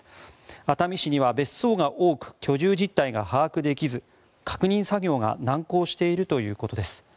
熱海市には別荘が多く居住実態が把握できず確認作業が難航しているということです。